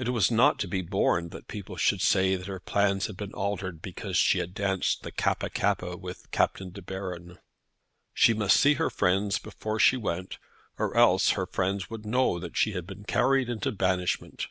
It was not to be borne that people should say that her plans had been altered because she had danced the Kappa kappa with Captain De Baron. She must see her friends before she went, or else her friends would know that she had been carried into banishment.